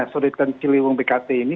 solidaritas ciliwung bkt ini